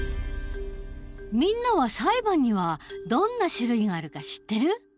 みんなは裁判にはどんな種類があるか知ってる？